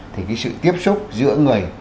thì cái sự tiếp xúc giữa người